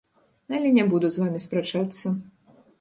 Але не буду з вамі спрачацца.